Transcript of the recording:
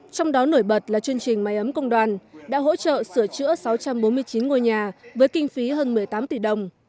trong đó nổi bật là chương trình máy ấm công đoàn đã hỗ trợ sửa chữa sáu trăm bốn mươi chín ngôi nhà với kinh phí hơn một mươi tám tỷ đồng